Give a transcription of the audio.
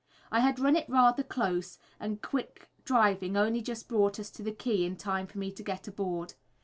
I had run it rather close, and quick driving only just brought us to the quay in time for me to get aboard.